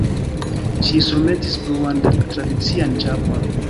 Ŝi surmetis bluan tradician ĉapon.